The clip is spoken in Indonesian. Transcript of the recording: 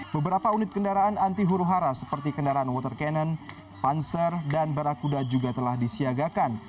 beberapa unit kendaraan anti huru hara seperti kendaraan water cannon panser dan barakuda juga telah disiagakan